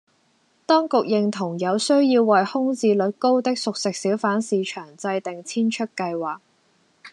當局認同有需要為空置率高的熟食小販市場制訂遷出計劃